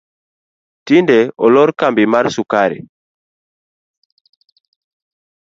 Tinde olor kambi mar sukari